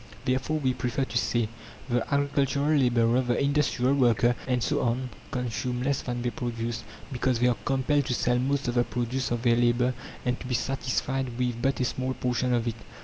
Therefore we prefer to say: The agricultural labourer, the industrial worker and so on consume less than they produce, because they are compelled to sell most of the produce of their labour and to be satisfied with but a small portion of it.